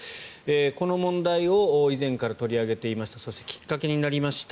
この問題を以前から取り上げていてそして、きっかけになりました